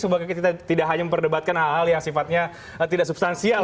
semoga kita tidak hanya memperdebatkan hal hal yang sifatnya tidak substansial